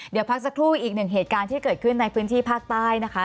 เดี๋ยวพักสักครู่อีกหนึ่งเหตุการณ์ที่เกิดขึ้นในพื้นที่ภาคใต้นะคะ